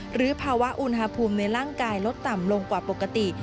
หรือภาวะอุณหภูมิในร่างกายลดต่ำลงกว่าปกติ